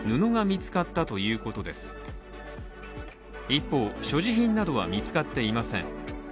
一方、所持品などは見つかっていません。